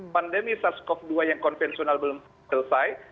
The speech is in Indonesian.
pandemi sars cov dua yang konvensional belum selesai